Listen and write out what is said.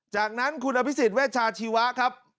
จากนั้นคุณอพิสิทธิ์เวชาชิวะ